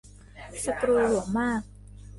สกรูหลวมมาก